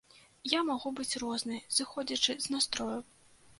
Я магу быць рознай, зыходзячы з настрою.